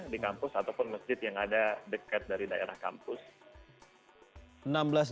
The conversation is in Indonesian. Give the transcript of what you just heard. di kampus ataupun masjid yang ada dekat dari daerah kampus